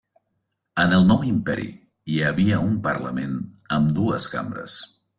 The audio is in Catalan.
En el nou imperi hi havia un parlament amb dues cambres.